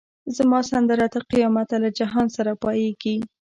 زما سندره تر قیامته له جهان سره پاییږی